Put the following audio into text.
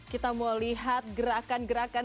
kita mau lihat gerakan gerakan